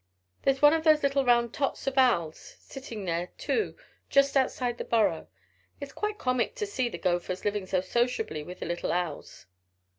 There's one of those little round tots of owls sitting there too just outside the burrow. It's quite comic to see the gophers living so sociably with the little owls."